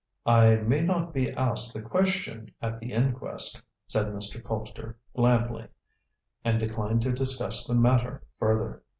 "I may not be asked the question at the inquest," said Mr. Colpster blandly, and declined to discuss the matter further.